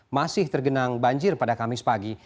masih tergenang banjir pada kamis pagi